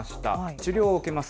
治療を受けます。